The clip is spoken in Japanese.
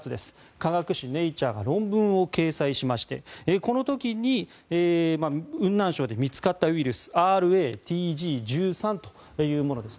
科学誌「ネイチャー」が論文を掲載しましてこの時に雲南省で見つかったウイルスＲａＴＧ１３というものです。